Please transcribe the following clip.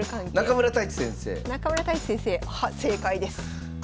中村太地先生正解です。